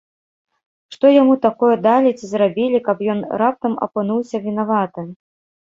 Што яму такое далі ці зрабілі, каб ён раптам апынуўся вінаватым?